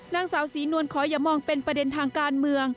นางสาวศรีนวลขออย่ามองเป็นประเด็นทางการเมือง